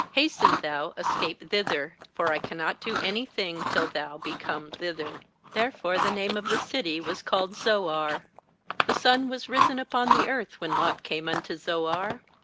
^Hasten thou, escape thither; for I cannot do any thing till thou be come thither/— Therefore the name of the city was called aZoar. — ^The sun was risen upon the earth when Lot came unto Zoar.